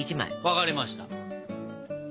分かりました。